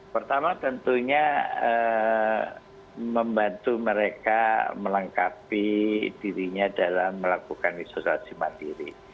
pertama tentunya membantu mereka melengkapi dirinya dalam melakukan isolasi mandiri